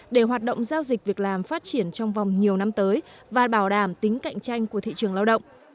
để hoạt động giao dịch việc làm phát triển trong vòng nhiều năm tới và bảo đảm tính cạnh tranh của thị trường lao động